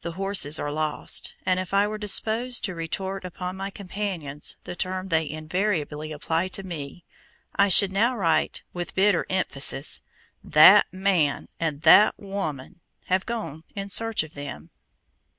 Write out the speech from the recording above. The horses are lost, and if I were disposed to retort upon my companions the term they invariably apply to me, I should now write, with bitter emphasis, "THAT man" and "THAT woman" have gone in search of them.